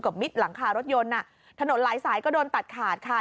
มิดหลังคารถยนต์อ่ะถนนหลายสายก็โดนตัดขาดค่ะ